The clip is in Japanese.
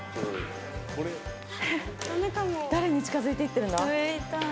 誰に近づいていってるんだ？